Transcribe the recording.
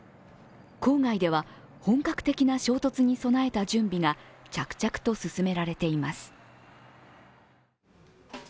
郊外では、本格的な衝突に備えた準備が着々と進められています。